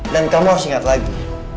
dan kamu harus ingat lagi